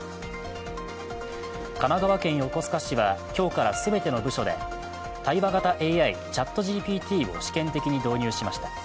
神奈川県横須賀市は今日から全ての部署で対話型ＡＩ、ＣｈａｔＧＰＴを試験的に導入しました。